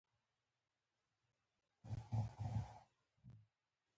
له پخوا سره خپلوان وي